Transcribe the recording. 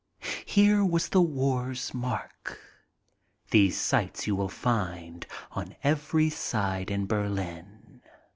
Here was the war's mark. These sights you will find on every side in Berlin.